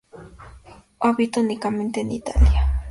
Habita únicamente en Italia.